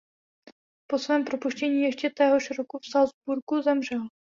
Po svém propuštění ještě téhož roku v Salcburku zemřel.